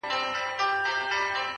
بیا هغه لار ده، خو ولاړ راته صنم نه دی.